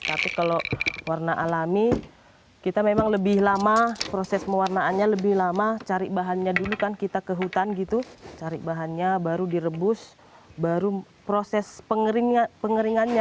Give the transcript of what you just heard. tapi kalau warna alami kita memang lebih lama proses pewarnaannya lebih lama cari bahannya dulu kan kita ke hutan gitu cari bahannya baru direbus baru proses pengeringannya